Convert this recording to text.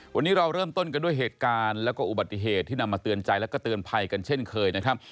วันนี้เราเริ่มต้นกันด้วยเหตุการณ์แล้วก็อุบัติเหตุที่นำมาเตือนใจแล้วก็เตือนภัยกันเช่นเคยนะครับ